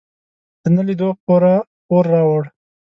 د نه لیدو پوره پور راوړ.